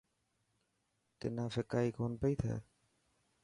تنا ڦڪائي ڪونه پئي ٿي.